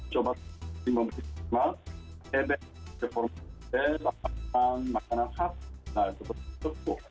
coba mempersembahkan e bank reformasi bahan bahan makanan khas